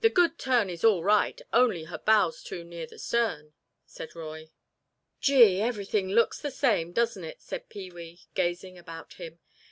"The Good Turn is all right only her bow's too near the stern," said Roy. "Gee, everything looks the same, doesn't it," said Pee wee, gazing about him.